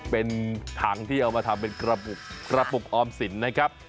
เป็นถังที่เอามาทำเป็นกระปุกออมศิลป์